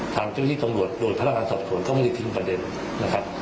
ทางเจ้าที่ตำลวดโดยพระราชาสอบสวนก็ไม่ได้ทิ้งประเด็นนะครับ